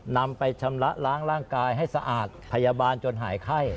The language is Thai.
นำไปชำระล้างร่างกายให้สะอาดพยาบาลจนหายไข้